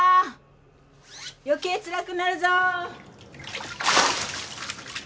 余計つらくなるぞ。